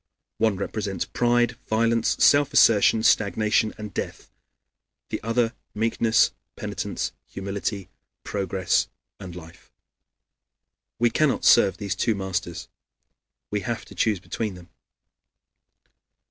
One represents pride, violence, self assertion, stagnation, and death; the other, meekness, penitence, humility, progress, and life. We cannot serve these two masters; we have to choose between them.